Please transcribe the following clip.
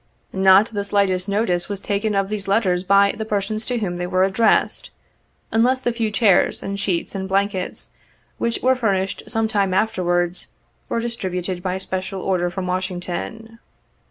Not the slightest notice was taken of these letters by the persons to whom they were addressed, unless the few chairs, and sheets, and blankets, which were furnished some time afterwards, were distributed by special order from Washington.